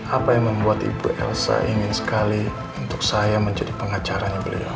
apa yang membuat ibu elsa ingin sekali untuk saya menjadi pengacaranya beliau